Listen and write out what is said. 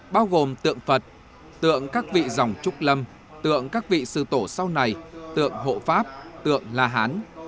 bao gồm tượng phật tượng các vị dòng trúc lâm tượng các vị sư tổ sau này tượng hộ pháp tượng la hán